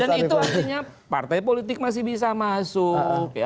dan itu artinya partai politik masih bisa masuk